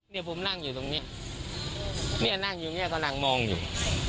เนี่ยผมนั่งอยู่ตรงนี้เนี่ยนั่งอยู่เนี่ยกำลังมองอยู่